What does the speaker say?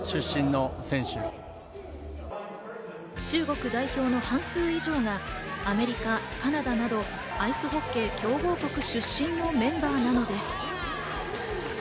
中国代表の半数以上がアメリカやカナダなどアイスホッケー強豪国出身のメンバーなのです。